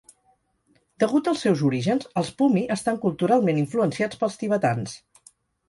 Degut als seus orígens, els pumi estan culturalment influenciats pels tibetans.